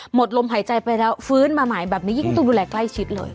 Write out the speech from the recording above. หมดลมหายใจไปแล้วฟื้นมาใหม่แบบนี้ยิ่งต้องดูแลใกล้ชิดเลย